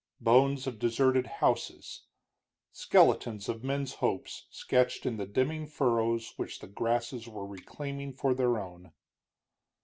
Bones of deserted houses, skeletons of men's hopes sketched in the dimming furrows which the grasses were reclaiming for their own.